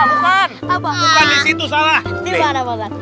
ustad bukan disitu salah